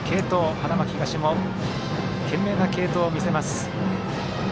花巻東も懸命な継投を見せます。